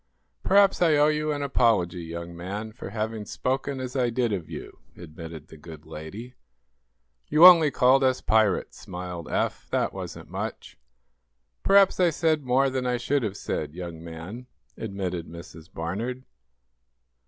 "Perhaps I owe you an apology, young man, for having spoken as I did of you," admitted the good lady. "You only called us pirates," smiled Eph. "That wasn't much." "Perhaps I said more than I should have said, young man," admitted Mrs. Barnard.